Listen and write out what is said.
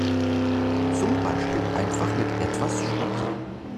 Zum Beispiel einfach mit etwas Spucke.